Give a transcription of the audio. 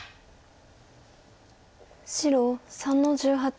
白３の十八。